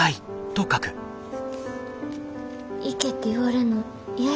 行けって言われんの嫌やったんや。